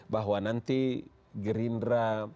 bahwa nanti gerindra